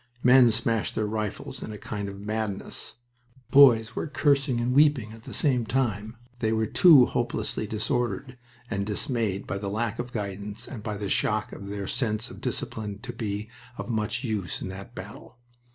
Men smashed their rifles in a kind of madness. Boys were cursing and weeping at the same time. They were too hopelessly disordered and dismayed by the lack of guidance and by the shock to their sense of discipline to be of much use in that battle.